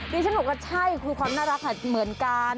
ดิฉันบอกว่าใช่คือความน่ารักเหมือนกัน